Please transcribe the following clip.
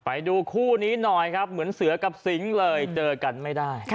ไปดูคู่นี้หน่อยครับเหมือนเสือกับสิงค์เลยเจอกันไม่ได้